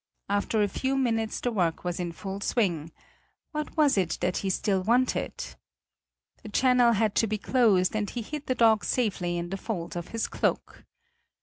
After a few minutes the work was in full swing What was it that he still wanted? The channel had to be closed and he hid the dog safely in the folds of his cloak.